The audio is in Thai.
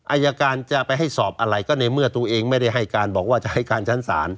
อายการจะไปให้สอบอะไรก็ในเมื่อตัวเองไม่ได้ให้การบอกว่าจะให้การชั้นศาล